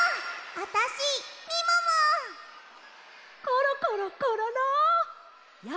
あたしコロコロコロロ！